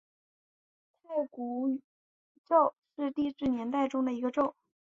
太古宙是地质年代中的一个宙。